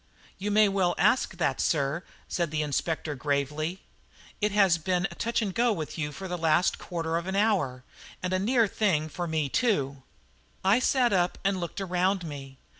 "You may well ask that, sir," said the Inspector gravely. "It has been touch and go with you for the last quarter of an hour; and a near thing for me too." I sat up and looked around me.